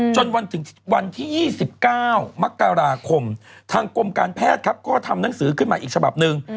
จนถึงวันที่๒๙มกราคมทางกรมการแพทย์ครับก็ทำหนังสือขึ้นมาอีกฉบับหนึ่ง